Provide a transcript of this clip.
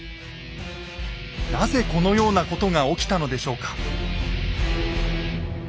なぜこのようなことが起きたのでしょうか？